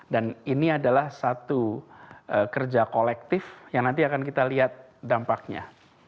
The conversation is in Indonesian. dan ini adalah satu kerja kolektif yang nanti akan kita lihat dampaknya